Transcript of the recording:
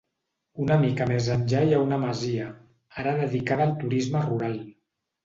Una mica més enllà hi ha una masia, ara dedicada al turisme rural.